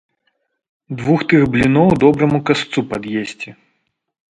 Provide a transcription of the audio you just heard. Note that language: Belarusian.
Двух тых бліноў добраму касцу пад'есці.